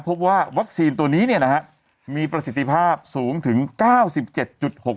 พบว่าวัคซีนตัวนี้เนี้ยนะฮะมีประสิทธิภาพสูงถึงเก้าสิบเจ็ดจุดหก